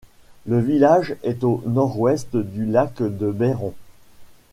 Le village est au nord-ouest du lac de Bairon.